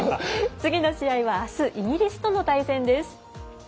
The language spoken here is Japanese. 次の試合はあすイギリスとの対戦です。